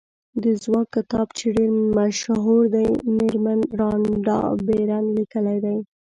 د ځواک کتاب چې ډېر مشهور دی مېرمن رانډا بېرن لیکلی دی.